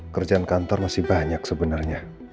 kerjaan kantor masih banyak sebenarnya